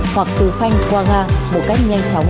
hoặc từ phanh qua ga một cách nhanh chóng